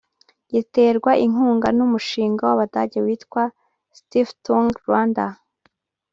giterwa inkunga n’umushinga w’Abadage witwa Stiftung Rwanda